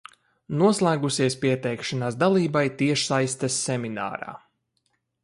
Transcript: Noslēgusies pieteikšanās dalībai tiešsaistes seminārā.